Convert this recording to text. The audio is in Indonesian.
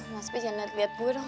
mas b jangan lihat gue dong